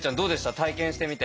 体験してみて。